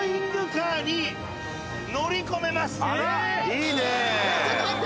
いいねぇ。